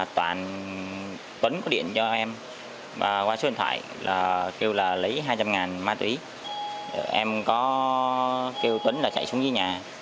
tấn có điện cho em qua số điện thoại kêu lấy hai trăm linh ma túy em kêu tấn chạy xuống dưới nhà